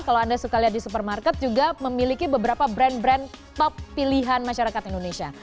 kalau anda suka lihat di supermarket juga memiliki beberapa brand brand top pilihan masyarakat indonesia